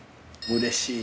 ［うれしい？］